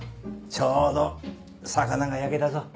ちょうど魚が焼けたぞ。